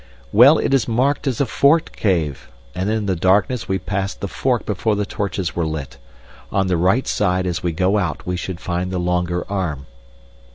"Well, it is marked as a forked cave, and in the darkness we passed the fork before the torches were lit. On the right side as we go out we should find the longer arm."